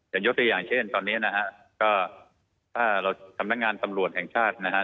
ยกตัวอย่างเช่นตอนนี้นะฮะก็ถ้าเราสำนักงานตำรวจแห่งชาตินะฮะ